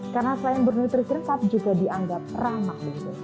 karena selain bernutrisi tetap juga dianggap ramah